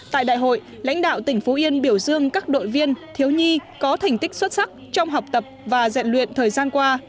tại đại hội lãnh đạo tỉnh phú yên biểu dương các đội viên thiếu nhi có thành tích xuất sắc trong học tập và dạy luyện thời gian qua